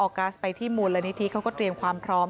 กัสไปที่มูลนิธิเขาก็เตรียมความพร้อม